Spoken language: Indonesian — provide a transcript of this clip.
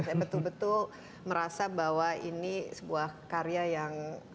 saya betul betul merasa bahwa ini sebuah karya yang